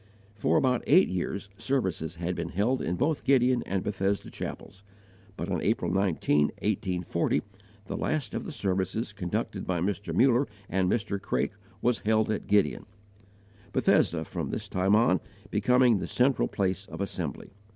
For about eight years, services had been held in both Gideon and Bethesda chapels; but on April 19, 1840, the last of the services conducted by Mr. Muller and Mr. Craik was held at Gideon, Bethesda, from this time on, becoming the central place of assembly.